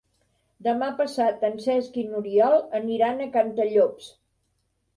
Demà passat en Cesc i n'Oriol aniran a Cantallops.